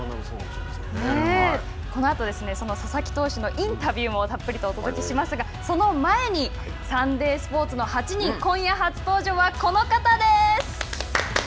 このあとその佐々木投手のインタビューもたっぷりとお届けしますがその前に「サンデースポーツの８人」今夜初登場はこの方です。